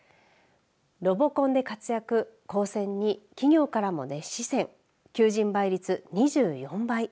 ロボコンで活躍高専に企業からも熱視線求人倍率２４倍！？